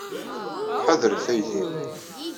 Ḥadret aydi.